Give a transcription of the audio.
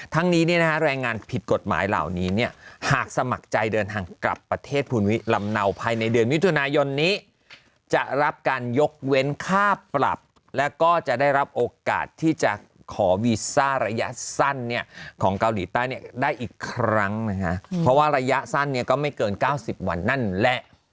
นี้เนี่ยนะฮะแรงงานผิดกฎหมายเหล่านี้เนี่ยหากสมัครใจเดินทางกลับประเทศภูมิลำเนาภายในเดือนมิถุนายนนี้จะรับการยกเว้นค่าปรับแล้วก็จะได้รับโอกาสที่จะขอวีซ่าระยะสั้นเนี่ยของเกาหลีใต้เนี่ยได้อีกครั้งนะฮะเพราะว่าระยะสั้นเนี่ยก็ไม่เกิน๙๐วันนั่นแหละ